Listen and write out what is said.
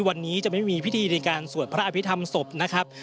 วันนี้จะไม่มีพิธีในการสวดพระอภิษฐรรมศพนะครับ